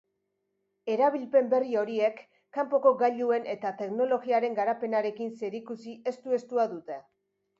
Erabilpen berri horiek kanpoko gailuen eta teknologiaren garapenarekin zerikusi estu-estua dute.